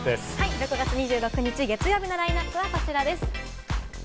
６月２６日月曜日のラインナップはこちらです。